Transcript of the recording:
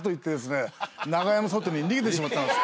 長屋の外に逃げてしまったんです。